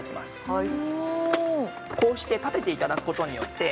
はい。